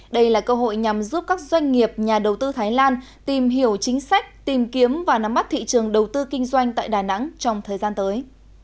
đây là cơ hội nhằm giúp các doanh nghiệp nhà đầu tư thái lan tìm hiểu chính sách tìm kiếm và nắm mắt thị trường đầu tư kinh doanh tại đà nẵng trong thời gian tới